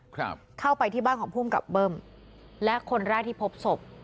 ครับเข้าไปที่บ้านของภูมิกับเบิ้มและคนแรกที่พบศพ